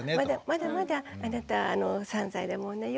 まだまだあなた３歳だもんね